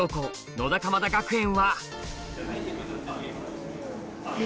野田鎌田学園はえ？